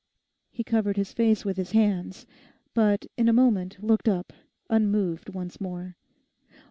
He covered his face with his hands; but in a moment looked up, unmoved once more.